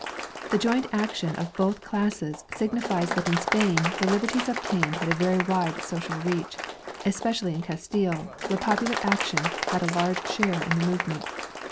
The joint action of both classes signifies that in Spain the liberties obtained had a very wide social reach, especially in Castile, where popular action had a large share in the movement.